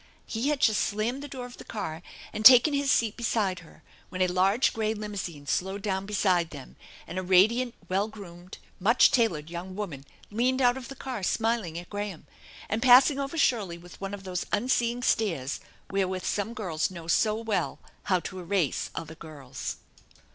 He had just slammed the door of the car and taken his Beat beside her when a large gray limousine slowed down beside them and a radiant, well groomed, much tailored young woman leaned out of the car, smiling at Graham, and passing over Shirley with one of those unseeing stares wherewith some girls know so well how to erase other girls.